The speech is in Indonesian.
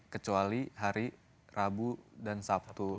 kecuali hari rabu dan sabtu